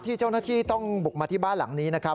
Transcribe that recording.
ที่เจ้าหน้าที่ต้องบุกมาที่บ้านหลังนี้นะครับ